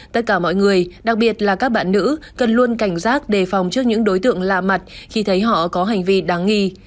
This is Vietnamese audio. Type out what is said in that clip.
tất cả mọi người đặc biệt là các bạn nữ cần luôn cảnh giác đề phòng trước những đối tượng lạ mặt khi thấy họ có hành vi đáng nghi